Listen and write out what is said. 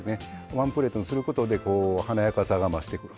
ワンプレートにすることで華やかさが増してくると。